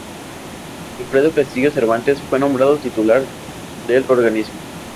Alfredo Castillo Cervantes fue nombrado titular del organismo.